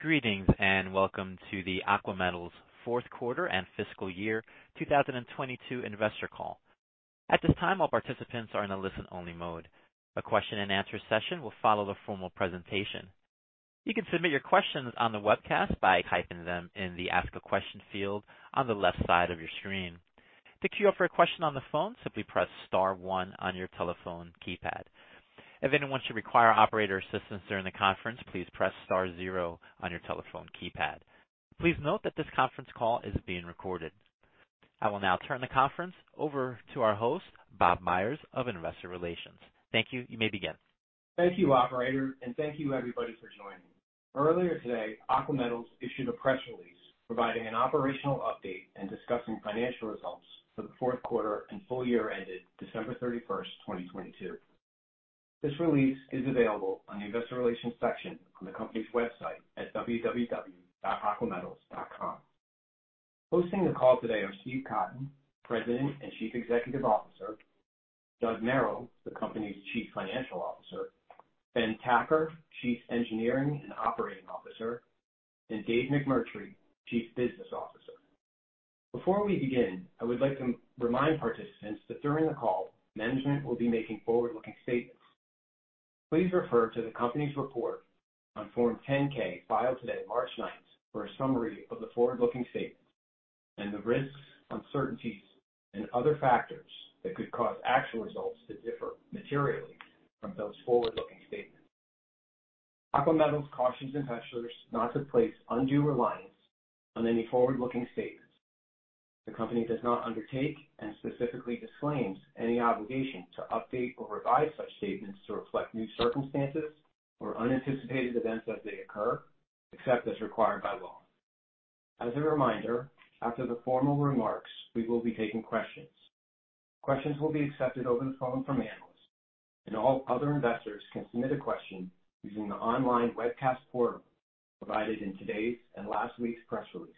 Greetings, welcome to the Aqua Metals fourth quarter and fiscal year 2022 investor call. At this time, all participants are in a listen-only mode. A question and answer session will follow the formal presentation. You can submit your questions on the webcast by typing them in the Ask a Question field on the left side of your screen. To queue up for a question on the phone, simply press star one on your telephone keypad. If anyone should require operator assistance during the conference, please press star zero on your telephone keypad. Please note that this conference call is being recorded. I will now turn the conference over to our host, Bob Meyers of Investor Relations. Thank you. You may begin. Thank you, operator, and thank you everybody for joining. Earlier today, Aqua Metals issued a press release providing an operational update and discussing financial results for the fourth quarter and full year ended December 31st, 2022. This release is available on the investor relations section on the company's website at www.aquametals.com. Hosting the call today are Steve Cotton, President and Chief Executive Officer, Judd Merrill, the company's Chief Financial Officer, Ben Taecker, Chief Engineering and Operating Officer, and Dave McMurtry, Chief Business Officer. Before we begin, I would like to remind participants that during the call management will be making forward-looking statements. Please refer to the company's report on Form 10-K filed today, March 9th, for a summary of the forward-looking statements and the risks, uncertainties and other factors that could cause actual results to differ materially from those forward-looking statements. Aqua Metals cautions investors not to place undue reliance on any forward-looking statements. The company does not undertake and specifically disclaims any obligation to update or revise such statements to reflect new circumstances or unanticipated events as they occur, except as required by law. As a reminder, after the formal remarks, we will be taking questions. Questions will be accepted over the phone from analysts and all other investors can submit a question using the online webcast portal provided in today's and last week's press release.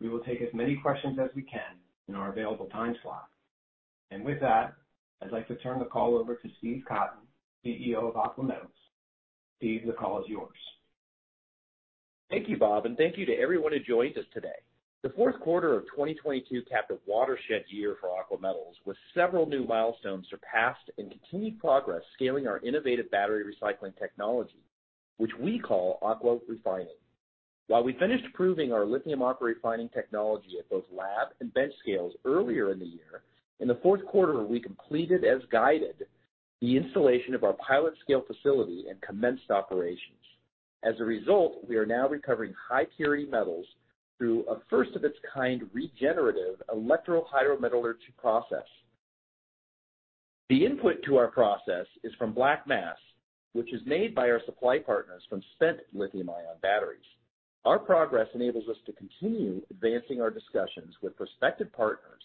We will take as many questions as we can in our available time slot. With that, I'd like to turn the call over to Steve Cotton, CEO of Aqua Metals. Steve, the call is yours. Thank you, Bob, and thank you to everyone who joined us today. The fourth quarter of 2022 capped a watershed year for Aqua Metals, with several new milestones surpassed and continued progress scaling our innovative battery recycling technology, which we call AquaRefining. While we finished proving our lithium AquaRefining technology at both lab and bench scales earlier in the year, in the fourth quarter, we completed as guided the installation of our pilot scale facility and commenced operations. As a result, we are now recovering high-purity metals through a first of its kind regenerative electrohydrometallurgy process. The input to our process is from black mass, which is made by our supply partners from spent lithium-ion batteries. Our progress enables us to continue advancing our discussions with prospective partners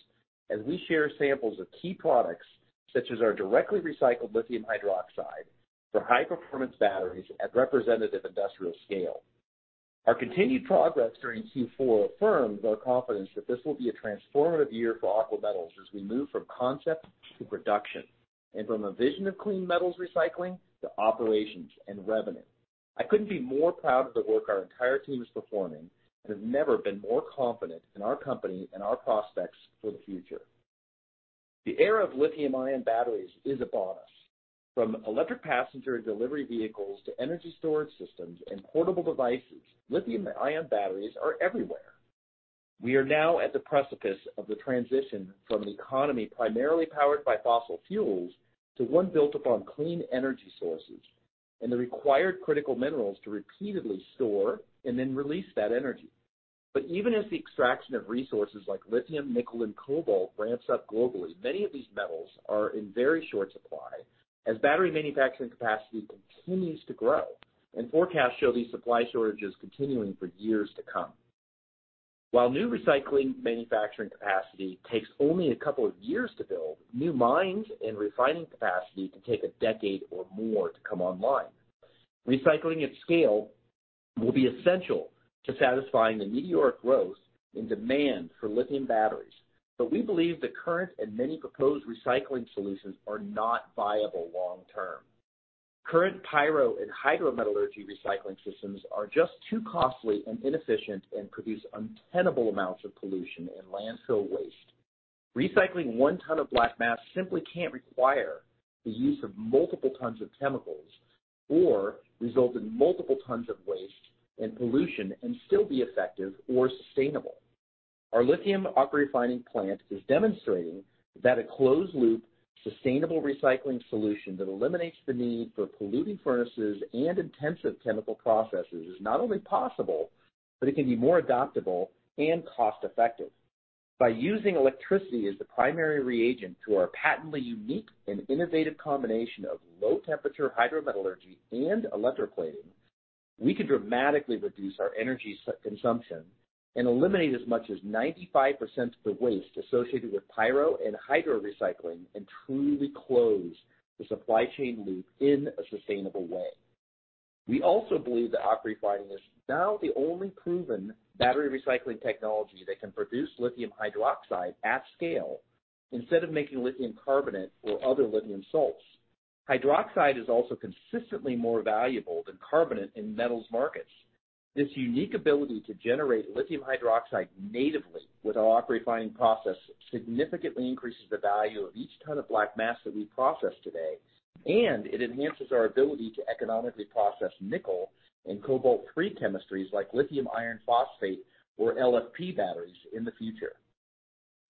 as we share samples of key products, such as our directly recycled lithium hydroxide for high-performance batteries at representative industrial scale. Our continued progress during Q4 affirms our confidence that this will be a transformative year for Aqua Metals as we move from concept to production, and from a vision of clean metals recycling to operations and revenue. I couldn't be more proud of the work our entire team is performing and have never been more confident in our company and our prospects for the future. The era of lithium-ion batteries is upon us. From electric passenger delivery vehicles to energy storage systems and portable devices, lithium-ion batteries are everywhere. We are now at the precipice of the transition from an economy primarily powered by fossil fuels to one built upon clean energy sources and the required critical minerals to repeatedly store and then release that energy. Even as the extraction of resources like lithium, nickel, and cobalt ramps up globally, many of these metals are in very short supply as battery manufacturing capacity continues to grow, and forecasts show these supply shortages continuing for years to come. While new recycling manufacturing capacity takes only a couple of years to build, new mines and refining capacity can take a decade or more to come online. Recycling at scale will be essential to satisfying the meteoric growth in demand for lithium batteries. We believe the current and many proposed recycling solutions are not viable long term. Current pyro and hydrometallurgy recycling systems are just too costly and inefficient and produce untenable amounts of pollution and landfill waste. Recycling 1 ton of black mass simply can't require the use of multiple tons of chemicals or result in multiple tons of waste and pollution and still be effective or sustainable. Our lithium AquaRefining plant is demonstrating that a closed loop, sustainable recycling solution that eliminates the need for polluting furnaces and intensive chemical processes is not only possible, but it can be more adaptable and cost effective. By using electricity as the primary reagent through our patently unique and innovative combination of low temperature hydrometallurgy and electroplating, we can dramatically reduce our energy consumption and eliminate as much as 95% of the waste associated with pyro and hydro recycling and truly close the supply chain loop in a sustainable way. We also believe that AquaRefining is now the only proven battery recycling technology that can produce lithium hydroxide at scale. Instead of making lithium carbonate or other lithium salts, hydroxide is also consistently more valuable than carbonate in metals markets. This unique ability to generate lithium hydroxide natively with our AquaRefining process significantly increases the value of each ton of black mass that we process today, and it enhances our ability to economically process nickel and cobalt-free chemistries like lithium iron phosphate, or LFP batteries in the future.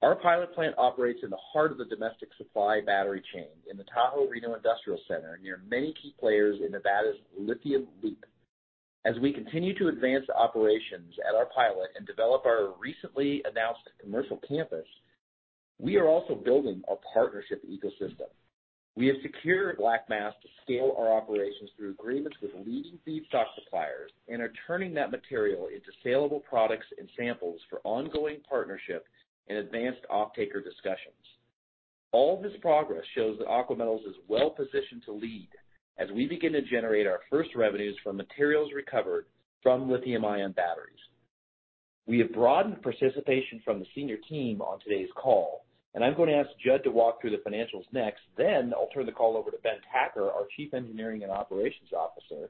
Our pilot plant operates in the heart of the domestic supply battery chain in the Tahoe-Reno Industrial Center, near many key players in Nevada's lithium loop. As we continue to advance the operations at our pilot and develop our recently announced commercial campus, we are also building a partnership ecosystem. We have secured black mass to scale our operations through agreements with leading feedstock suppliers and are turning that material into saleable products and samples for ongoing partnership and advanced off-taker discussions. All this progress shows that Aqua Metals is well-positioned to lead as we begin to generate our first revenues from materials recovered from lithium-ion batteries. We have broadened participation from the senior team on today's call. I'm going to ask Judd to walk through the financials next, then I'll turn the call over to Ben Taecker, our Chief Engineering and Operating Officer, to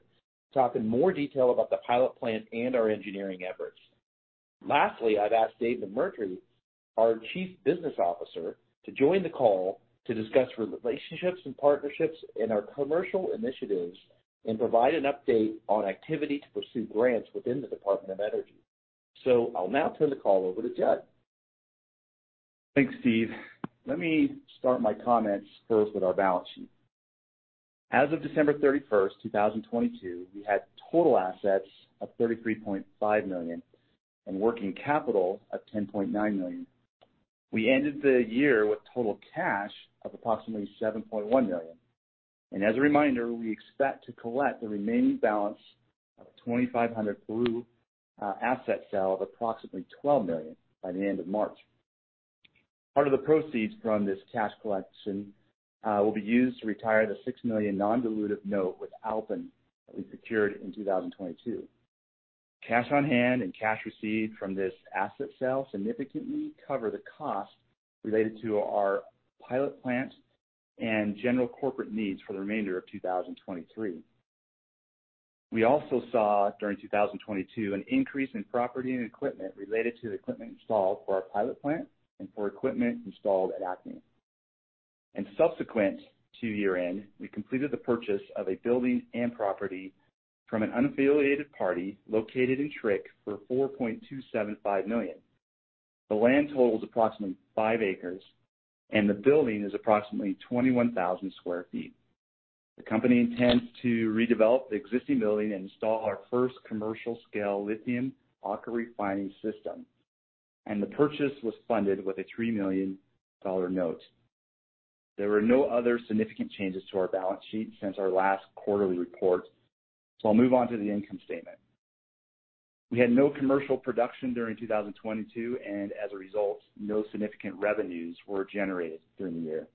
talk in more detail about the pilot plant and our engineering efforts. Lastly, I've asked Dave McMurtry, our Chief Business Officer, to join the call to discuss relationships and partnerships and our commercial initiatives, and provide an update on activity to pursue grants within the Department of Energy. I'll now turn the call over to Judd. Thanks, Steve. Let me start my comments first with our balance sheet. As of December 31st, 2022, we had total assets of $33.5 million and working capital of $10.9 million. We ended the year with total cash of approximately $7.1 million. As a reminder, we expect to collect the remaining balance of a 2500 Peru asset sale of approximately $12 million by the end of March. Part of the proceeds from this cash collection will be used to retire the $6 million non-dilutive note with Alpen that we secured in 2022. Cash on hand and cash received from this asset sale significantly cover the cost related to our pilot plant and general corporate needs for the remainder of 2023. We also saw, during 2022, an increase in property and equipment related to the equipment installed for our pilot plant and for equipment installed at ACME. Subsequent to year-end, we completed the purchase of a building and property from an unaffiliated party located in TRIC for $4.275 million. The land totals approximately 5 acres, and the building is approximately 21,000 sq ft. The company intends to redevelop the existing building and install our first commercial-scale lithium AquaRefining system, and the purchase was funded with a $3 million note. There were no other significant changes to our balance sheet since our last quarterly report. I'll move on to the income statement. We had no commercial production during 2022, and as a result, no significant revenues were generated during the year.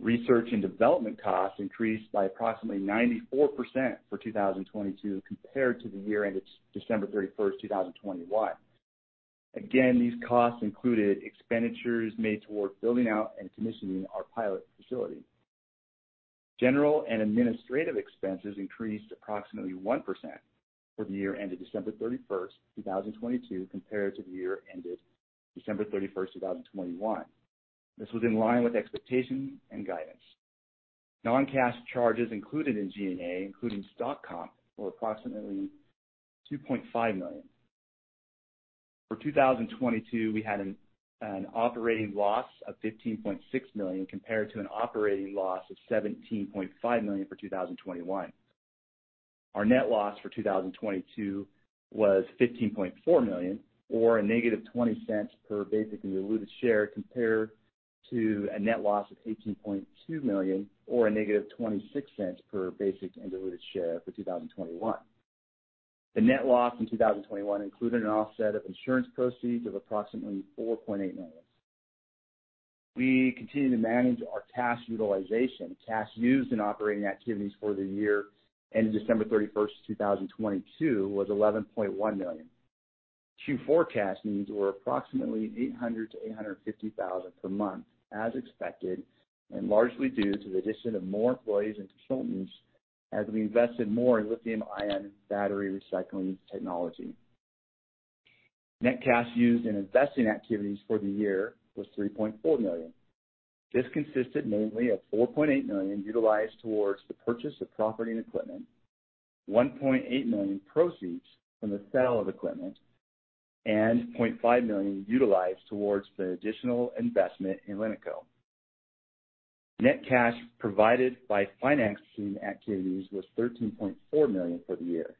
Research and development costs increased by approximately 94% for 2022 compared to the year ended December 31st, 2021. Again, these costs included expenditures made towards building out and commissioning our pilot facility. General and administrative expenses increased approximately 1% for the year ended December 31st, 2022, compared to the year ended December 31st, 2021. This was in line with expectations and guidance. Non-cash charges included in G&A, including Stock Compensation, were approximately $2.5 million. For 2022, we had an operating loss of $15.6 million, compared to an operating loss of $17.5 million for 2021. Our net loss for 2022 was $15.4 million or a -$0.20 per basic and diluted share compared to a net loss of $18.2 million or a -$0.26 per basic and diluted share for 2021. The net loss in 2021 included an offset of insurance proceeds of approximately $4.8 million. We continue to manage our cash utilization. Cash used in operating activities for the year ending December 31st, 2022 was $11.1 million. Q4 cash needs were approximately $800,000-$850,000 per month as expected, and largely due to the addition of more employees and consultants as we invested more in lithium-ion battery recycling technology. Net cash used in investing activities for the year was $3.4 million. This consisted mainly of $4.8 million utilized towards the purchase of property and equipment, $1.8 million proceeds from the sale of equipment, and $0.5 million utilized towards the additional investment in LiNiCo. Net cash provided by financing activities was $13.4 million for the year.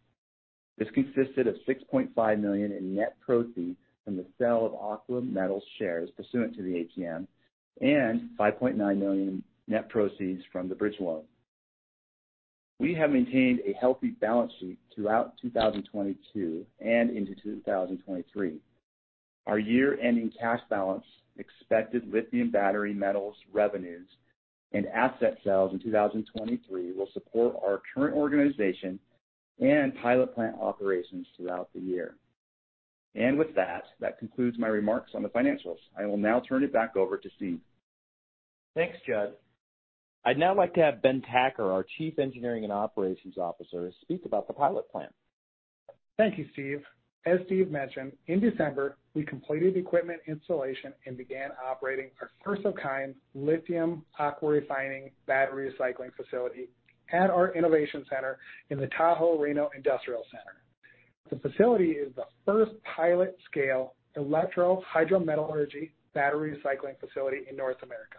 This consisted of $6.5 million in net proceeds from the sale of Aqua Metals shares pursuant to the ATM and $5.9 million net proceeds from the bridge loan. We have maintained a healthy balance sheet throughout 2022 and into 2023. Our year-ending cash balance, expected lithium battery metals revenues, and asset sales in 2023 will support our current organization and pilot plant operations throughout the year. With that concludes my remarks on the financials. I will now turn it back over to Steve. Thanks, Judd. I'd now like to have Ben Taecker, our Chief Engineering and Operations Officer, speak about the pilot plan. Thank you, Steve. As Steve mentioned, in December, we completed equipment installation and began operating our first-of-kind Li AquaRefining battery recycling facility at our innovation center in the Tahoe-Reno Industrial Center. The facility is the first pilot scale electro-hydrometallurgy battery recycling facility in North America.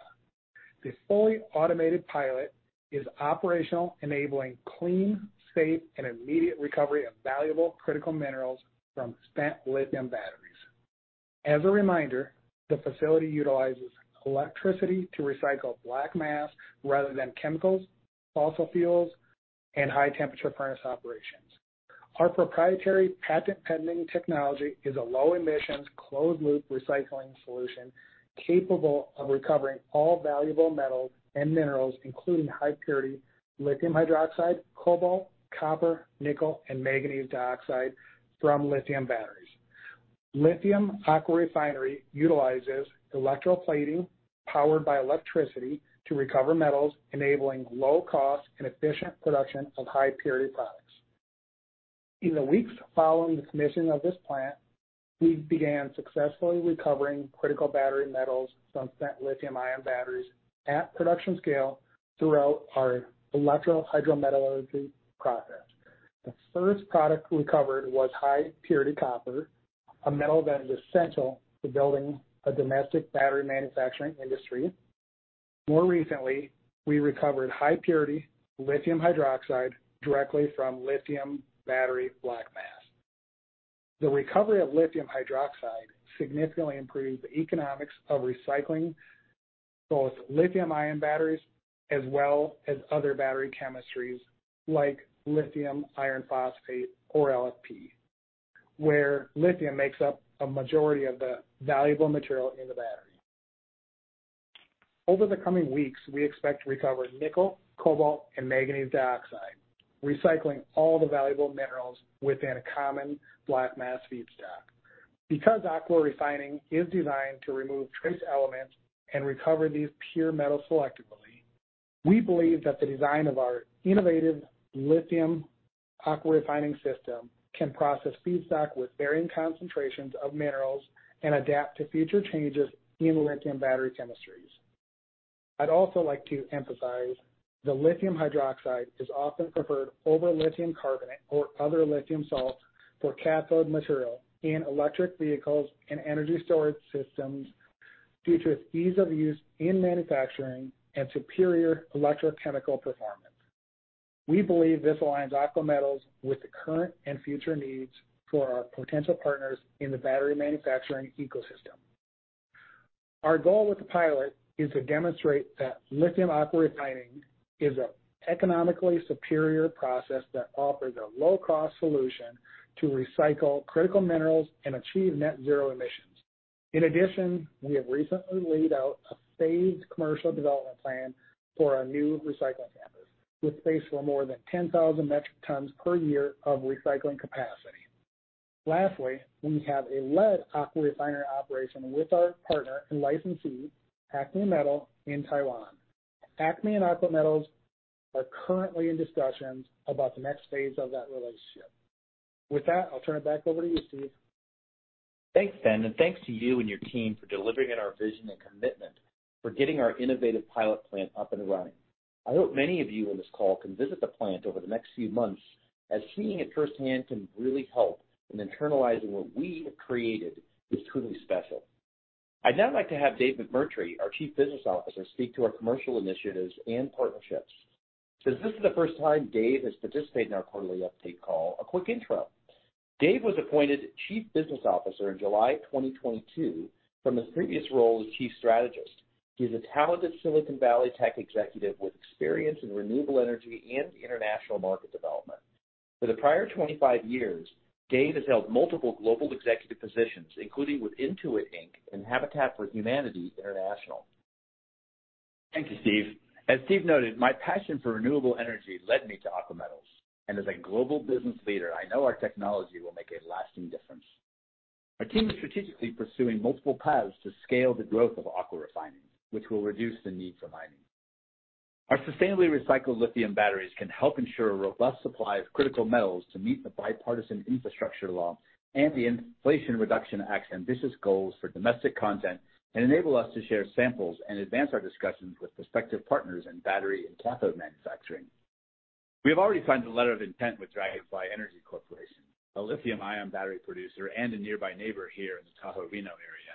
The fully automated pilot is operational, enabling clean, safe, and immediate recovery of valuable critical minerals from spent lithium batteries. As a reminder, the facility utilizes electricity to recycle black mass rather than chemicals, fossil fuels, and high temperature furnace operations. Our proprietary patent-pending technology is a low emissions closed loop recycling solution capable of recovering all valuable metals and minerals, including high purity lithium hydroxide, cobalt, copper, nickel and manganese dioxide from lithium batteries. Li AquaRefining utilizes electroplating powered by electricity to recover metals, enabling low cost and efficient production of high purity products. In the weeks following the commissioning of this plant, we began successfully recovering critical battery metals from spent lithium-ion batteries at production scale throughout our electro-hydrometallurgy process. The first product we covered was high purity copper, a metal that is essential to building a domestic battery manufacturing industry. More recently, we recovered high purity lithium hydroxide directly from lithium battery black mass. The recovery of lithium hydroxide significantly improved the economics of recycling both lithium-ion batteries as well as other battery chemistries like lithium iron phosphate or LFP, where lithium makes up a majority of the valuable material in the battery. Over the coming weeks, we expect to recover nickel, cobalt, and manganese dioxide, recycling all the valuable minerals within a common black mass feedstock. Because AquaRefining is designed to remove trace elements and recover these pure metals selectively, we believe that the design of our innovative lithium AquaRefining system can process feedstock with varying concentrations of minerals and adapt to future changes in lithium battery chemistries. I'd also like to emphasize the lithium hydroxide is often preferred over lithium carbonate or other lithium salts for cathode material in electric vehicles and energy storage systems due to its ease of use in manufacturing and superior electrochemical performance. We believe this aligns Aqua Metals with the current and future needs for our potential partners in the battery manufacturing ecosystem. Our goal with the pilot is to demonstrate that lithium AquaRefining is a economically superior process that offers a low cost solution to recycle critical minerals and achieve net zero emissions. We have recently laid out a phased commercial development plan for our new recycling campus with space for more than 10,000 metric tons per year of recycling capacity. Lastly, we have a lead AquaRefining operation with our partner and licensee, ACME Metal in Taiwan. ACME and Aqua Metals are currently in discussions about the next phase of that relationship. With that, I'll turn it back over to you, Steve. Thanks, Ben, and thanks to you and your team for delivering on our vision and commitment for getting our innovative pilot plant up and running. I hope many of you on this call can visit the plant over the next few months, as seeing it firsthand can really help in internalizing what we have created is truly special. I'd now like to have Dave McMurtry, our Chief Business Officer, speak to our commercial initiatives and partnerships. Since this is the first time Dave has participated in our quarterly update call, a quick intro. Dave was appointed Chief Business Officer in July 2022 from his previous role as Chief Strategist. He's a talented Silicon Valley tech executive with experience in renewable energy and international market development. For the prior 25 years, Dave has held multiple global executive positions, including with Intuit Inc. Habitat for Humanity International. Thank you, Steve. As Steve noted, my passion for renewable energy led me to Aqua Metals, and as a global business leader, I know our technology will make a lasting difference. Our team is strategically pursuing multiple paths to scale the growth of AquaRefining, which will reduce the need for mining. Our sustainably recycled lithium batteries can help ensure a robust supply of critical metals to meet the Bipartisan Infrastructure Law and the Inflation Reduction Act's ambitious goals for domestic content, and enable us to share samples and advance our discussions with prospective partners in battery and cathode manufacturing. We have already signed a letter of intent with Dragonfly Energy Corporation, a lithium-ion battery producer and a nearby neighbor here in the Tahoe-Reno area,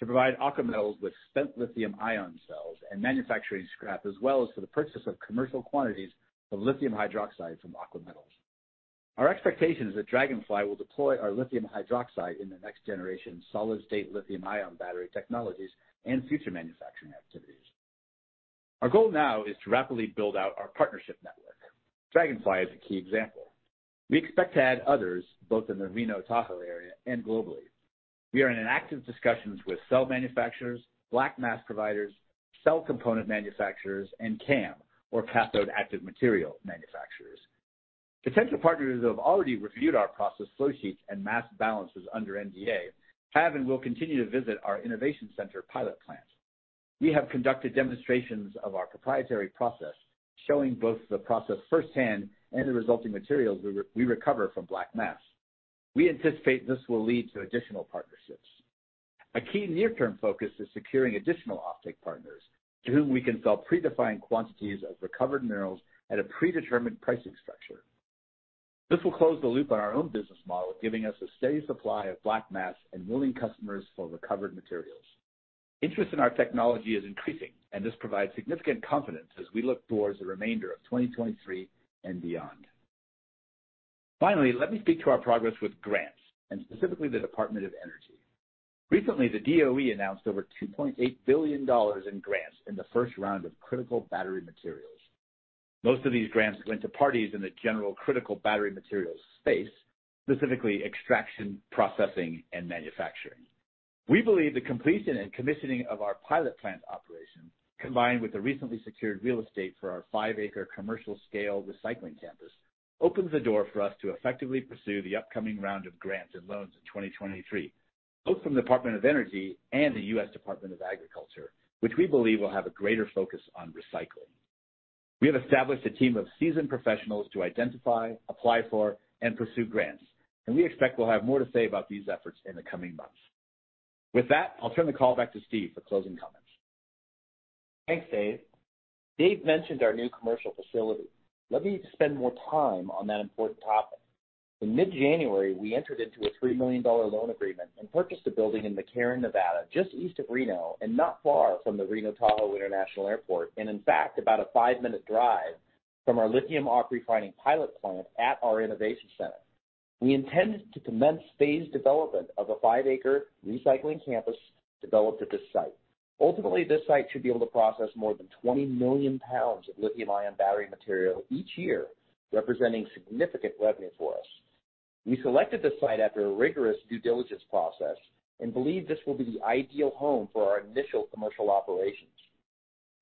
to provide Aqua Metals with spent lithium-ion cells and manufacturing scrap, as well as for the purchase of commercial quantities of lithium hydroxide from Aqua Metals. Our expectation is that Dragonfly will deploy our lithium hydroxide in the next generation solid state lithium-ion battery technologies and future manufacturing activities. Our goal now is to rapidly build out our partnership network. Dragonfly is a key example. We expect to add others both in the Tahoe-Reno area and globally. We are in active discussions with cell manufacturers, black mass providers, cell component manufacturers, and CAM, or cathode active material manufacturers. Potential partners who have already reviewed our process flow sheets and mass balances under NDA have and will continue to visit our innovation center pilot plant. We have conducted demonstrations of our proprietary process, showing both the process firsthand and the resulting materials we recover from black mass. We anticipate this will lead to additional partnerships. A key near-term focus is securing additional offtake partners to whom we can sell predefined quantities of recovered minerals at a predetermined pricing structure. This will close the loop on our own business model, giving us a steady supply of black mass and willing customers for recovered materials. Interest in our technology is increasing, this provides significant confidence as we look towards the remainder of 2023 and beyond. Finally, let me speak to our progress with grants and specifically the Department of Energy. Recently, the DOE announced over $2.8 billion in grants in the first round of critical battery materials. Most of these grants went to parties in the general critical battery materials space, specifically extraction, processing, and manufacturing. We believe the completion and commissioning of our pilot plant operation, combined with the recently secured real estate for our 5-acre commercial scale recycling campus, opens the door for us to effectively pursue the upcoming round of grants and loans in 2023, both from Department of Energy and the U.S. Department of Agriculture, which we believe will have a greater focus on recycling. We have established a team of seasoned professionals to identify, apply for, and pursue grants, and we expect we'll have more to say about these efforts in the coming months. With that, I'll turn the call back to Steve for closing comments. Thanks, Dave. Dave mentioned our new commercial facility. Let me spend more time on that important topic. In mid-January, we entered into a $3 million loan agreement and purchased a building in McCarran, Nevada, just east of Reno and not far from the Reno Tahoe International Airport, and in fact, about a 5-minute drive from our lithium ore refining pilot plant at our innovation center. We intend to commence phased development of a 5-acre recycling campus developed at this site. Ultimately, this site should be able to process more than 20 million pounds of lithium-ion battery material each year, representing significant revenue for us. We selected this site after a rigorous due diligence process and believe this will be the ideal home for our initial commercial operations.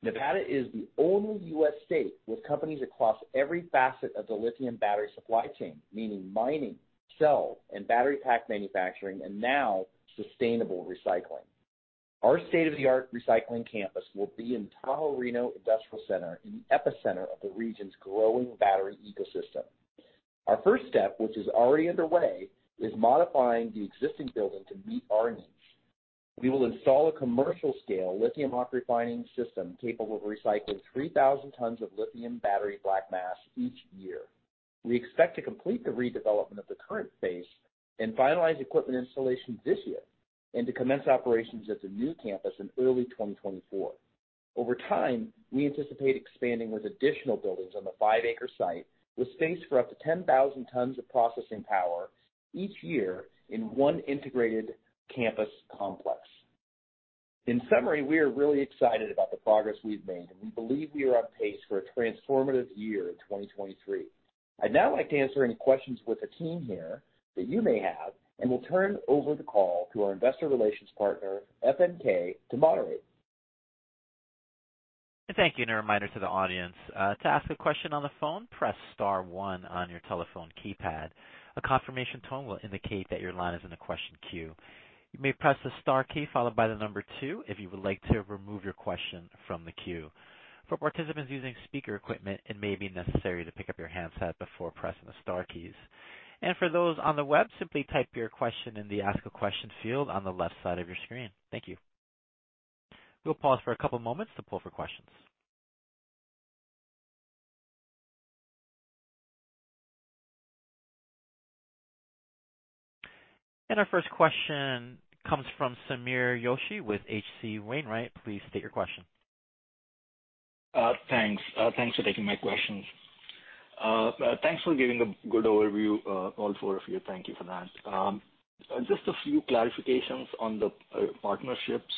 Nevada is the only U.S. state with companies across every facet of the lithium battery supply chain, meaning mining, cell, and battery pack manufacturing, and now sustainable recycling. Our state-of-the-art recycling campus will be in Tahoe-Reno Industrial Center in the epicenter of the region's growing battery ecosystem. Our first step, which is already underway, is modifying the existing building to meet our needs. We will install a commercial scale lithium ore refining system capable of recycling 3,000 tons of lithium battery black mass each year. We expect to complete the redevelopment of the current phase and finalize equipment installation this year and to commence operations at the new campus in early 2024. Over time, we anticipate expanding with additional buildings on the 5-acre site with space for up to 10,000 tons of processing power each year in one integrated campus complex. In summary, we are really excited about the progress we've made, and we believe we are on pace for a transformative year in 2023. I'd now like to answer any questions with the team here that you may have and will turn over the call to our investor relations partner, FNK, to moderate. Thank you. A reminder to the audience, to ask a question on the phone, press star one on your telephone keypad. A confirmation tone will indicate that your line is in the question queue. You may press the star key followed by the number two if you would like to remove your question from the queue. For participants using speaker equipment, it may be necessary to pick up your handset before pressing the star keys. For those on the web, simply type your question in the ask a question field on the left side of your screen. Thank you. We'll pause for a couple moments to pull for questions. Our first question comes from Sameer Joshi with H.C. Wainwright. Please state your question. Thanks. Thanks for taking my questions. Thanks for giving a good overview, all four of you. Thank you for that. Just a few clarifications on the partnerships.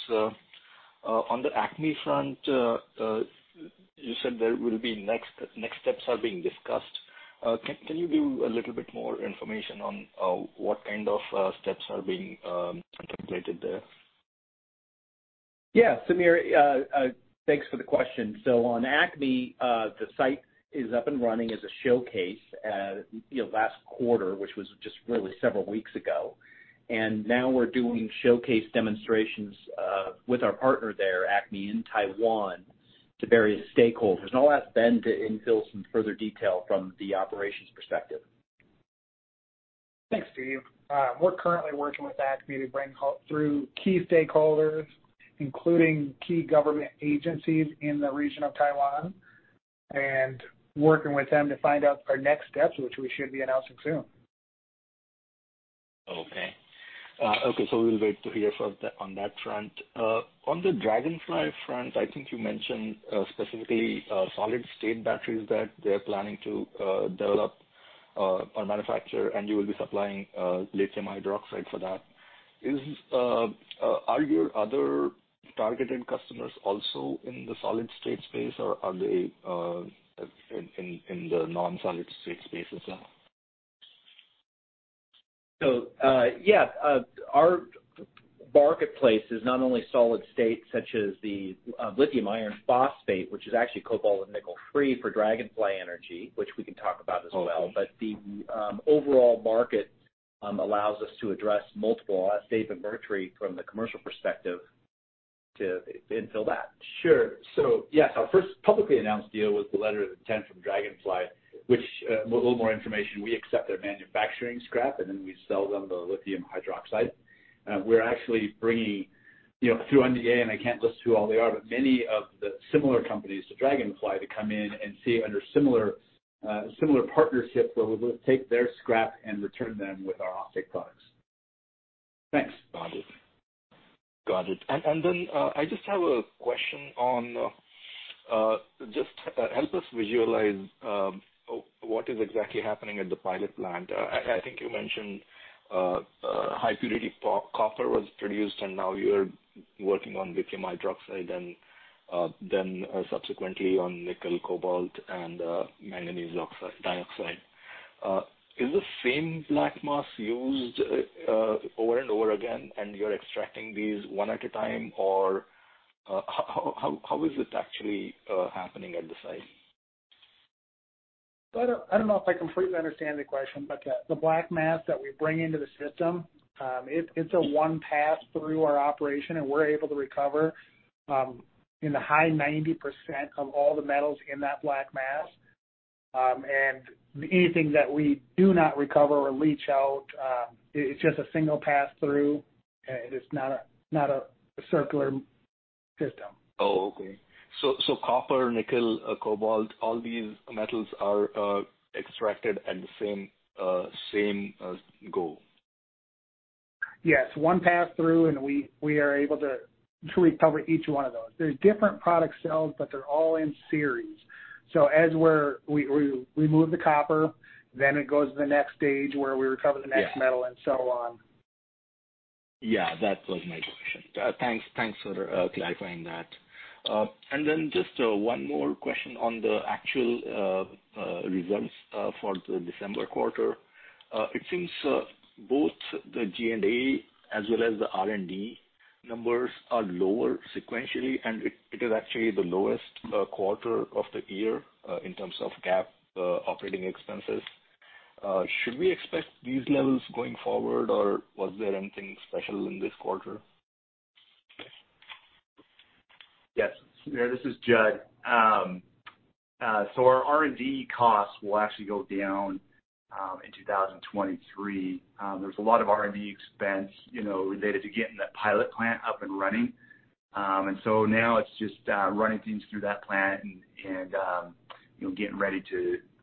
On the ACME front, you said there will be next steps are being discussed. Can you give a little bit more information on what kind of steps are being contemplated there? Yeah, Sameer, thanks for the question. On ACME, the site is up and running as a showcase at, you know, last quarter, which was just really several weeks ago. Now we're doing showcase demonstrations with our partner there, ACME in Taiwan, to various stakeholders, and I'll ask Ben to infill some further detail from the operations perspective. Thanks, Steve. We're currently working with ACME to bring through key stakeholders, including key government agencies in the region of Taiwan and working with them to find out our next steps, which we should be announcing soon. Okay. We'll wait to hear on that front. On the Dragonfly front, I think you mentioned specifically solid-state batteries that they're planning to develop or manufacture, and you will be supplying lithium hydroxide for that. Are your other targeted customers also in the solid state space, or are they in the non-solid state space as well? Yeah. Our marketplace is not only solid state, such as the lithium iron phosphate, which is actually cobalt and nickel-free for Dragonfly Energy, which we can talk about as well. Okay. The overall market allows us to address multiple acid and mercury from the commercial perspective until that. Sure. Yes, our first publicly announced deal was the letter of intent from Dragonfly, which, a little more information, we accept their manufacturing scrap, and then we sell them the lithium hydroxide. We're actually bringing, you know, through NDA, and I can't list who all they are, but many of the similar companies to Dragonfly to come in and see under similar partnerships where we'll take their scrap and return them with our offtake products. Thanks. Got it. Got it. I just have a question on, just, help us visualize, what is exactly happening at the pilot plant. I think you mentioned, high-purity copper was produced, and now you're working on lithium hydroxide and then subsequently on nickel, cobalt and manganese dioxide. Is the same black mass used over and over again and you're extracting these one at a time? How is it actually happening at the site? I don't know if I completely understand the question, but the black mass that we bring into the system, it's a one-pass through our operation, and we're able to recover in the high 90% of all the metals in that black mass. And anything that we do not recover or leach out, it's just a single pass through. And it's not a circular system. Oh, okay. Copper, nickel, cobalt, all these metals are extracted at the same go. Yes. One pass through, we are able to recover each one of those. There are different product sales, they're all in series. As we remove the copper, then it goes to the next stage where we recover the next metal. Yeah. so on. Yeah, that was my question. Thanks for clarifying that. Then just one more question on the actual results for the December quarter. It seems both the G&A as well as the R&D numbers are lower sequentially, and it is actually the lowest quarter of the year in terms of GAAP operating expenses. Should we expect these levels going forward, or was there anything special in this quarter? Yes. Sure. This is Judd. Our R&D costs will actually go down in 2023. There's a lot of R&D expense, you know, related to getting that pilot plant up and running. Now it's just running things through that plant and, you know, getting ready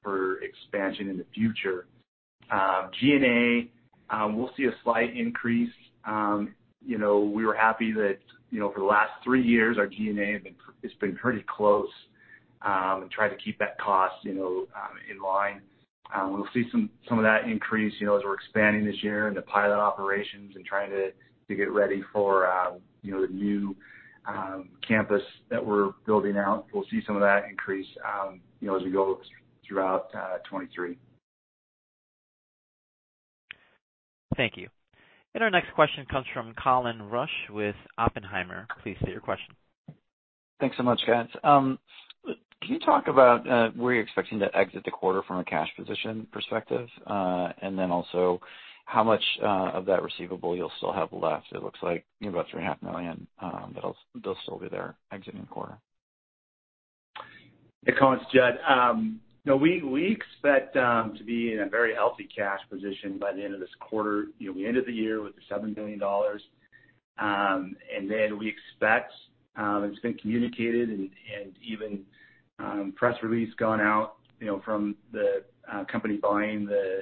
for expansion in the future. G&A, we'll see a slight increase. You know, we were happy that, you know, for the last three years, our G&A has been pretty close and trying to keep that cost, you know, in line. We'll see some of that increase, you know, as we're expanding this year into pilot operations and trying to get ready for, you know, the new campus that we're building out. We'll see some of that increase, you know, as we go throughout, 2023. Thank you. Our next question comes from Colin Rusch with Oppenheimer. Please state your question. Thanks so much, guys. Can you talk about where you're expecting to exit the quarter from a cash position perspective? Also, how much of that receivable you'll still have left? It looks like about three and a half million dollars, that'll still be there exiting the quarter. Hey, Colin. It's Judd. You know, we expect to be in a very healthy cash position by the end of this quarter. You know, we ended the year with $7 billion. We expect it's been communicated and even press release gone out, you know, from the company buying the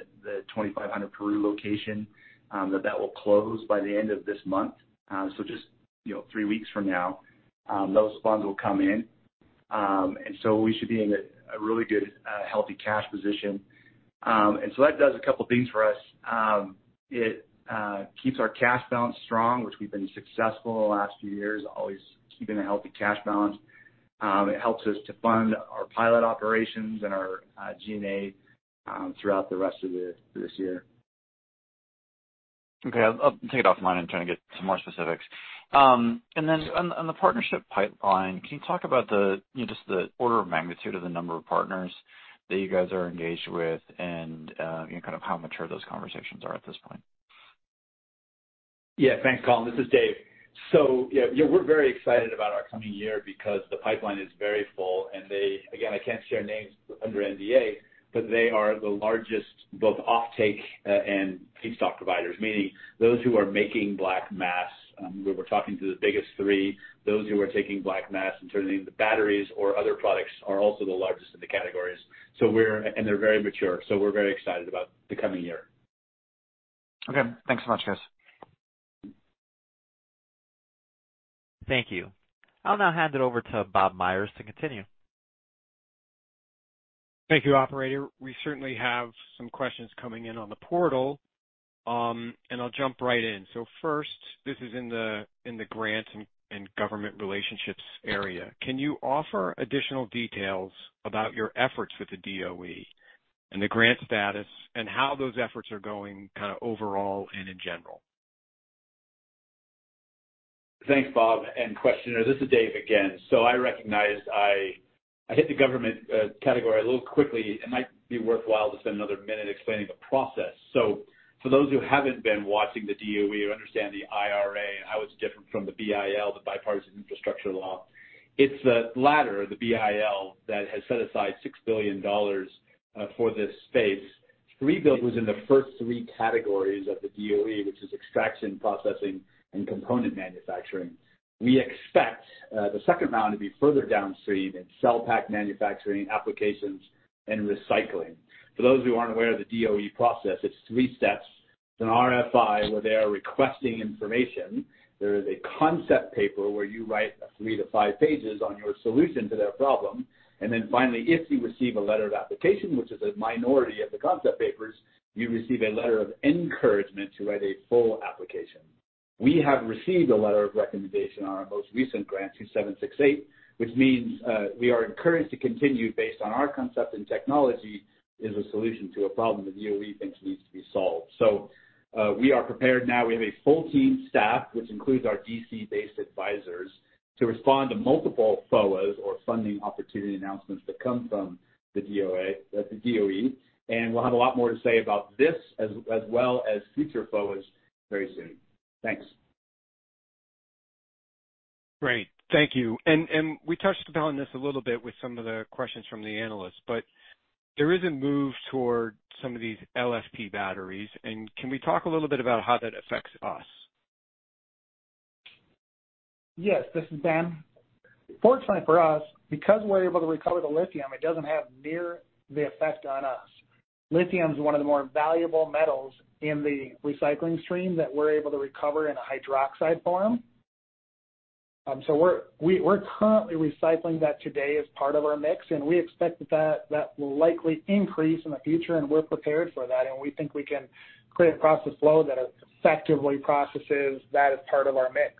2500 Peru location, that will close by the end of this month. Just, you know, three weeks from now, those funds will come in. We should be in a really good healthy cash position. That does a couple things for us. It keeps our cash balance strong, which we've been successful the last few years, always keeping a healthy cash balance. It helps us to fund our pilot operations and our G&A, throughout the rest of the, this year. Okay. I'll take it off the line. I'm trying to get some more specifics. Then on the partnership pipeline, can you talk about the, you know, just the order of magnitude of the number of partners that you guys are engaged with and, you know, kind of how mature those conversations are at this point? Yeah. Thanks, Colin. This is Dave. Yeah, we're very excited about our coming year because the pipeline is very full, and again, I can't share names under NDA, but they are the largest, both offtake and feedstock providers, meaning those who are making black mass. We were talking to the biggest three. Those who are taking black mass and turning into batteries or other products are also the largest in the categories. They're very mature, we're very excited about the coming year. Okay. Thanks so much, guys. Thank you. I'll now hand it over to Bob Meyers to continue. Thank you, operator. We certainly have some questions coming in on the portal, and I'll jump right in. First, this is in the, in the grants and government relationships area. Can you offer additional details about your efforts with the DOE and the grant status and how those efforts are going kind of overall and in general? Thanks, Bob and questioner. This is Dave again. I recognize I hit the government category a little quickly. It might be worthwhile to spend another minute explaining the process. For those who haven't been watching the DOE or understand the IRA and how it's different from the BIL, the Bipartisan Infrastructure Law, it's the latter, the BIL, that has set aside $6 billion for this space. ReBuild was in the first three categories of the DOE, which is extraction, processing, and component manufacturing. We expect the second round to be further downstream in cell pack manufacturing, applications, and recycling. For those who aren't aware of the DOE process, it's three steps. It's an RFI where they are requesting information. There is a concept paper where you write three to five pages on your solution to their problem. Finally, if you receive a letter of application, which is a minority of the concept papers, you receive a letter of encouragement to write a full application. We have received a letter of recommendation on our most recent grant, 2768, which means we are encouraged to continue based on our concept and technology is a solution to a problem the DOE thinks needs to be solved. We are prepared now. We have a full team staffed, which includes our D.C.-based advisors, to respond to multiple FOAs or funding opportunity announcements that come from the DOE. We'll have a lot more to say about this as well as future FOAs very soon. Thanks. Great. Thank you. We touched upon this a little bit with some of the questions from the analysts, but there is a move toward some of these LFP batteries. Can we talk a little bit about how that affects us? Yes, this is Ben. Fortunately for us, because we're able to recover the lithium, it doesn't have near the effect on us. Lithium is one of the more valuable metals in the recycling stream that we're able to recover in a hydroxide form. We're currently recycling that today as part of our mix, and we expect that will likely increase in the future and we're prepared for that, and we think we can create a process flow that effectively processes that as part of our mix.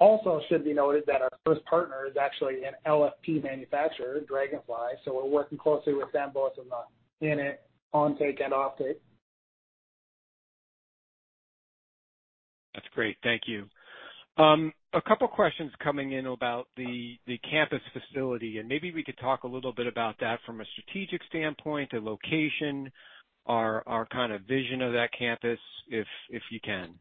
Also should be noted that our first partner is actually an LFP manufacturer, Dragonfly, so we're working closely with them both on the in it, on take and off take. That's great. Thank you. A couple questions coming in about the campus facility, maybe we could talk a little bit about that from a strategic standpoint, the location, our kind of vision of that campus, if you can.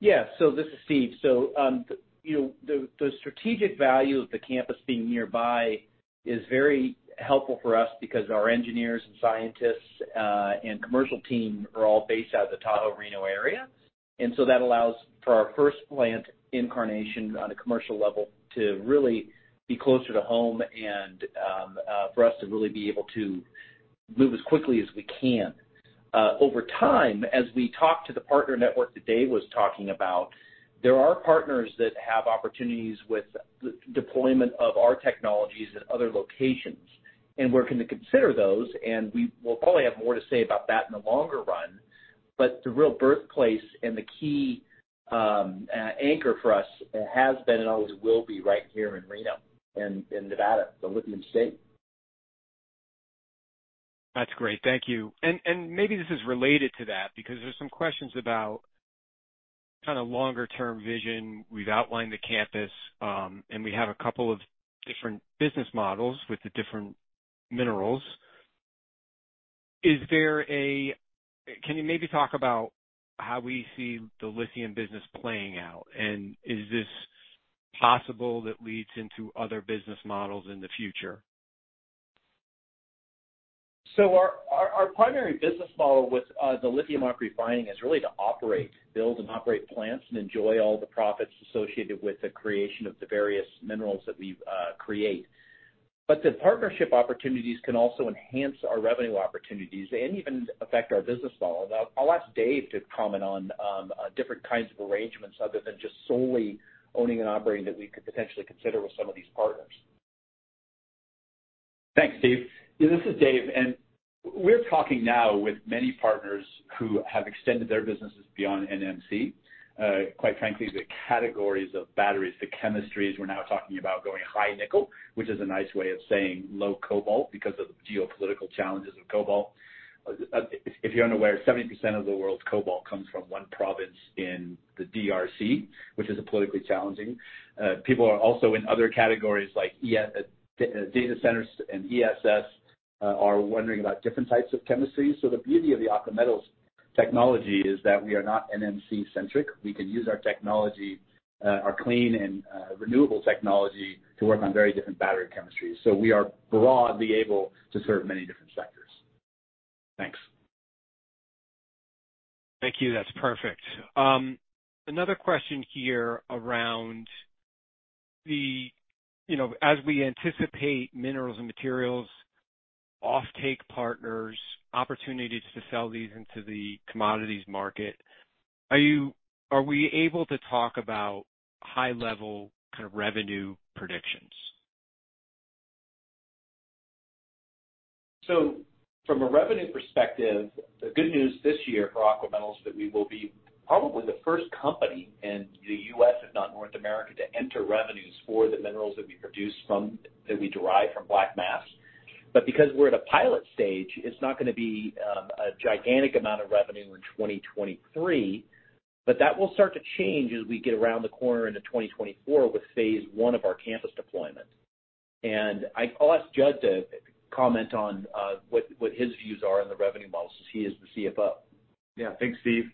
Yeah. This is Steve. You know, the strategic value of the campus being nearby is very helpful for us because our engineers and scientists, and commercial team are all based out of the Tahoe-Reno area. That allows for our first plant incarnation on a commercial level to really be closer to home and for us to really be able to move as quickly as we can. Over time, as we talk to the partner network that Dave was talking about, there are partners that have opportunities with the deployment of our technologies at other locations, and we're going to consider those, and we will probably have more to say about that in the longer run. The real birthplace and the key, anchor for us has been and always will be right here in Reno and in Nevada, the Lithium State. That's great. Thank you. Maybe this is related to that because there's some questions about kind of longer term vision. We've outlined the campus, and we have a couple of different business models with the different minerals. Can you maybe talk about how we see the lithium business playing out, and is this possible that leads into other business models in the future? Our primary business model with the lithium refining is really to operate, build and operate plants and enjoy all the profits associated with the creation of the various minerals that we create. The partnership opportunities can also enhance our revenue opportunities and even affect our business model. I'll ask Dave to comment on different kinds of arrangements other than just solely owning and operating that we could potentially consider with some of these partners. Thanks, Steve. Yeah, this is Dave. We're talking now with many partners who have extended their businesses beyond NMC. Quite frankly, the categories of batteries, the chemistries, we're now talking about going high nickel, which is a nice way of saying low cobalt because of the geopolitical challenges with cobalt. If you're unaware, 70% of the world's cobalt comes from one province in the DRC, which is politically challenging. People are also in other categories like data centers and ESS are wondering about different types of chemistries. The beauty of the Aqua Metals technology is that we are not NMC centric. We can use our technology, our clean and renewable technology to work on very different battery chemistries, so we are broadly able to serve many different sectors. Thanks. Thank you. That's perfect. Another question here, you know, as we anticipate minerals and materials offtake partners, opportunities to sell these into the commodities market. Are we able to talk about high level kind of revenue predictions? From a revenue perspective, the good news this year for Aqua Metals that we will be probably the first company in the U.S., if not North America, to enter revenues for the minerals that we produce from, that we derive from black mass. Because we're at a pilot stage, it's not gonna be a gigantic amount of revenue in 2023, but that will start to change as we get around the corner into 2024 with phase one of our campus deployment. I'll ask Judd to comment on what his views are on the revenue model since he is the CFO. Yeah. Thanks, Steve.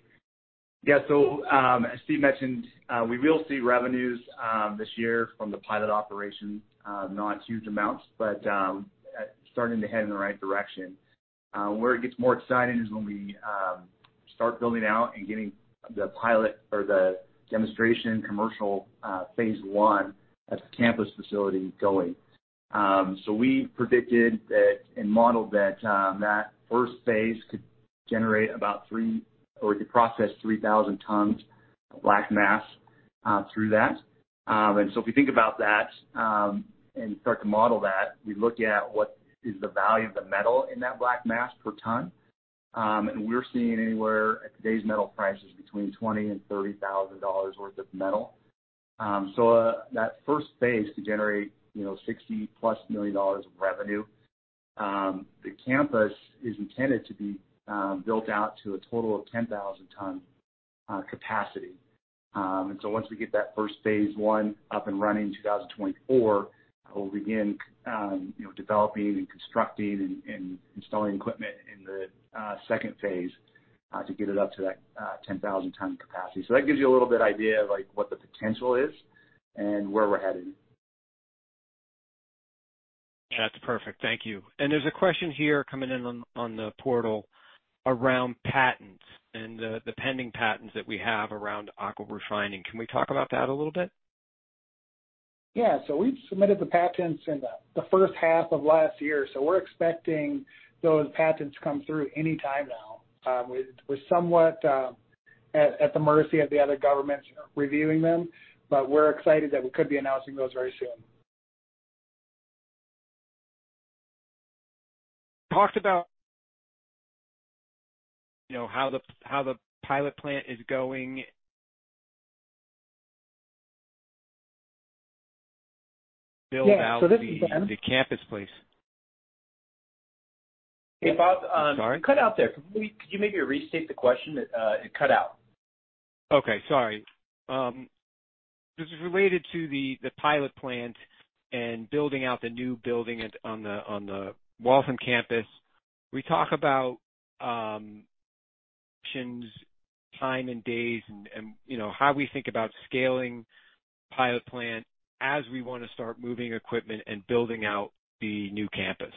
Yeah. As Steve mentioned, we will see revenues this year from the pilot operation, not huge amounts, but starting to head in the right direction. Where it gets more exciting is when we start building out and getting the pilot or the demonstration commercial phase one at the campus facility going. We predicted that and modeled that first phase could generate about 3,000 tons or it could process 3,000 tons of black mass through that. If we think about that and start to model that, we look at what is the value of the metal in that black mass per ton. We're seeing anywhere at today's metal prices between $20,000-$30,000 worth of metal. That first phase could generate, you know, $60+ million of revenue. The campus is intended to be built out to a total of 10,000 ton capacity. Once we get that first phase one up and running in 2024, we'll begin, you know, developing and constructing and installing equipment in the second phase to get it up to that 10,000 ton capacity. That gives you a little bit idea of, like, what the potential is and where we're headed. That's perfect. Thank you. There's a question here coming in on the portal around patents and the pending patents that we have around AquaRefining. Can we talk about that a little bit? Yeah. We've submitted the patents in the first half of last year. We're expecting those patents to come through any time now. We're somewhat at the mercy of the other governments reviewing them, but we're excited that we could be announcing those very soon. Talked about, you know, how the pilot plant is going. Yeah. This is Ben. The campus, please. Hey, Bob, it cut out there. Could you maybe restate the question? It cut out. Okay. Sorry. This is related to the pilot plant and building out the new building at, on the, on the Waltham campus. We talk about options, time and days and, you know, how we think about scaling pilot plant as we wanna start moving equipment and building out the new campus.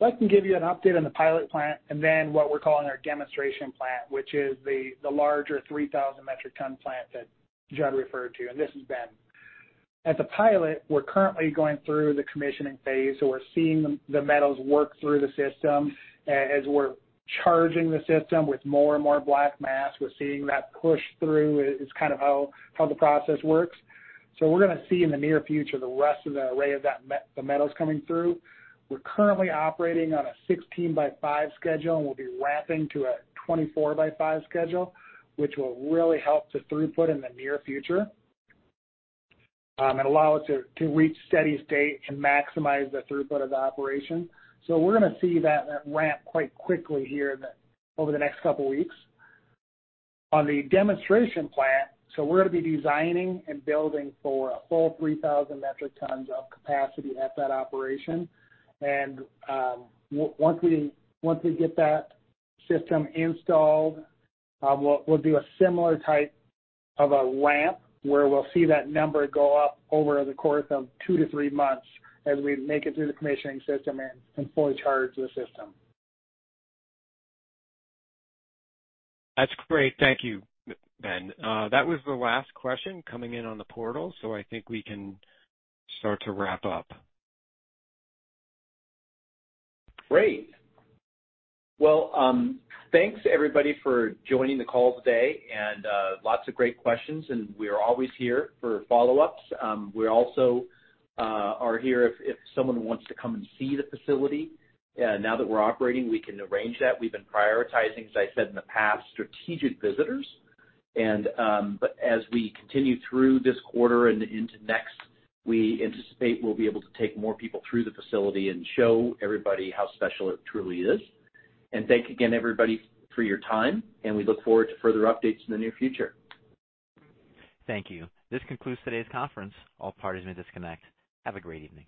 I can give you an update on the pilot plant and then what we're calling our demonstration plant, which is the larger 3,000 metric ton plant that Judd referred to, and this is Ben. As a pilot, we're currently going through the commissioning phase, so we're seeing the metals work through the system. As we're charging the system with more and more black mass, we're seeing that push through. It's kind of how the process works. We're gonna see in the near future the rest of the array of that the metals coming through. We're currently operating on a 16 by 5 schedule, and we'll be ramping to a 24 by 5 schedule, which will really help the throughput in the near future, and allow us to reach steady state and maximize the throughput of the operation. We're gonna see that ramp quite quickly here over the next couple weeks. On the demonstration plant, we're gonna be designing and building for a full 3,000 metric tons of capacity at that operation. Once we get that system installed, we'll do a similar type of a ramp where we'll see that number go up over the course of 2 months-3 months as we make it through the commissioning system and fully charge the system. That's great. Thank you, Ben. That was the last question coming in on the portal, so I think we can start to wrap up. Great. Well, thanks everybody for joining the call today, and lots of great questions, and we are always here for follow-ups. We also are here if someone wants to come and see the facility. Now that we're operating, we can arrange that. We've been prioritizing, as I said in the past, strategic visitors. As we continue through this quarter and into next, we anticipate we'll be able to take more people through the facility and show everybody how special it truly is. Thank you again, everybody, for your time, and we look forward to further updates in the near future. Thank you. This concludes today's conference. All parties may disconnect. Have a great evening.